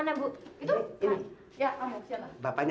nanti lagi sampai bersih ya